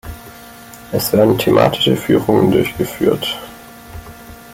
Es werden thematische Führungen durchgeführt.